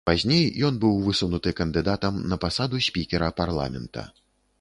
Пазней ён быў высунуты кандыдатам на пасаду спікера парламента.